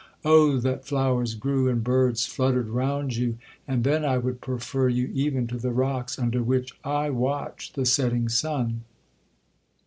Oh that flowers grew, and birds fluttered round you, and then I would prefer you even to the rocks under which I watch the setting sun!